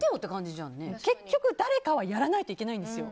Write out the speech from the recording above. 結局誰かはやらないといけないんですよ。